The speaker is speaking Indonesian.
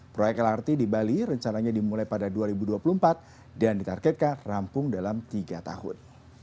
proyek lrt di bali rencananya dimulai pada dua ribu dua puluh empat dan ditargetkan rampung dalam tiga tahun